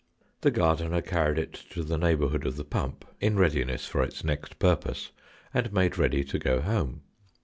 The gardener carried it to the neighbourhood of the pump, in readiness for its next purpose, and made ready to go home.